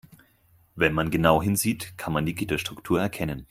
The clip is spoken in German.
Wenn man genau hinsieht, kann man die Gitterstruktur erkennen.